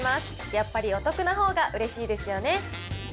やっぱりお得なほうがうれしいですよね。